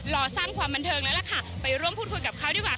รอสร้างความบันเทิงแล้วล่ะค่ะไปร่วมพูดคุยกับเขาดีกว่า